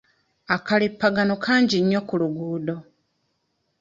Akalippagano kangi nnyo ku luguudo.